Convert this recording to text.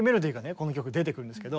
この曲出てくるんですけど。